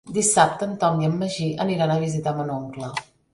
Dissabte en Tom i en Magí aniran a visitar mon oncle.